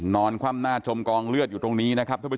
นอนความหน้าจมกองเลือดอยู่ตรงนี้